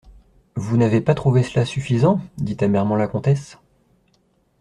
—Vous n’avez pas trouvé cela suffisant ?» dit amèrement la comtesse.